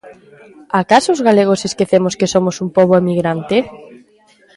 Acaso os galegos esquecemos que somos un pobo emigrante?